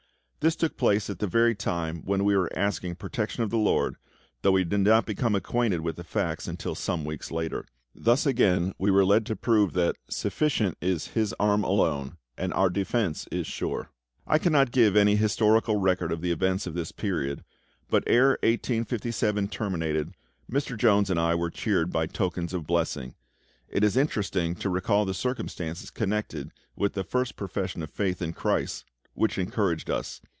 This took place at the very time when we were asking protection of the LORD, though we did not become acquainted with the facts until some weeks later. Thus again we were led to prove that "Sufficient is His arm alone, And our defence is sure." I cannot attempt to give any historical record of the events of this period, but ere 1857 terminated Mr. Jones and I were cheered by tokens of blessing. It is interesting to recall the circumstances connected with the first profession of faith in Christ, which encouraged us.